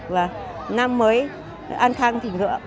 và năm mới an khang thịnh vượng